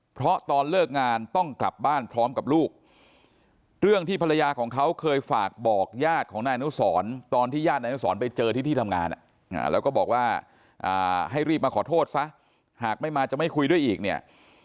เพราะตอนเลิกงานต้องกลับบ้านพร้อมกับลูกเรื่องที่ภรรยาของเขาเคยฝากบอกญาติของนายอนุสรตอนที่ญาตินายอนุสรไปเจอที่ที่ทำงานแล้วก็บอกว่าให้รีบมาขอโทษซะหากไม่มาจะไม่คุยด้วยอีกเนี่ย